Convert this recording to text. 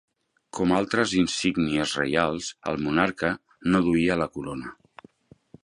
Com altres insígnies reials, el monarca no duia la corona.